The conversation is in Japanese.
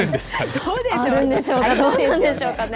どうでしょうかね。